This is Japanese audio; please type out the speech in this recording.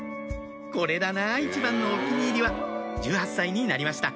これだな一番のお気に入りは１８歳になりました